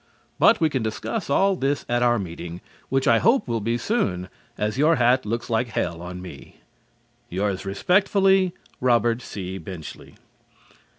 But we can discuss all this at our meeting, which I hope will be soon, as your hat looks like hell on me. Yours respectfully, ROBERT C. BENCHLEY.